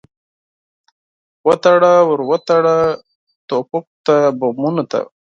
وتړه، ور وتړه ټوپکو ته، بمونو ته